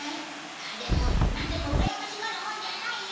でもなんでもうらやましがるもんじゃないよ。